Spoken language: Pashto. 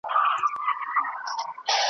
زهر مار د دواړو وچ کړله رګونه .